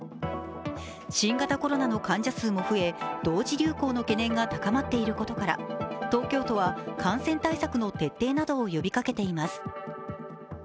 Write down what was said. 新型コロナの患者数も増え、同時流行の懸念が高まっていることから東京都は感染対策の徹底などを呼びかけています。